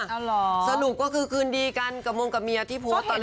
เอาเหรอสรุปก็คือคืนดีกันกับมงกับเมียที่โพสต์ตอนนั้น